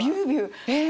え。